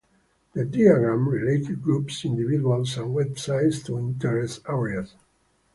The diagram related groups, individuals, and websites to interest areas.